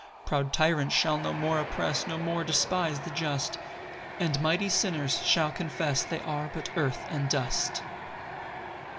8 Proud tyrants shall no more oppress, No more despise the just; And mighty sinners shall confess They are but earth and dust.